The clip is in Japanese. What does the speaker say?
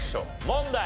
問題。